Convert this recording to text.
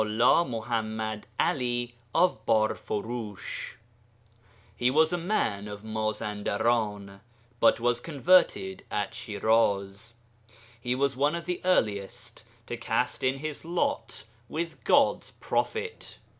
MULLĀ MUḤAMMAD 'ALI OF BARFURUSH He was a man of Mazandaran, but was converted at Shiraz. He was one of the earliest to cast in his lot with God's prophet.